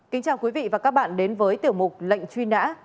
kính chào quý vị và các bạn đến với tiểu mục lệnh truy nã